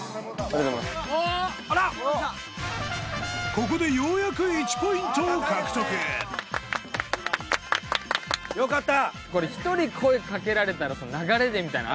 ［ここでようやく１ポイントを獲得］よかった！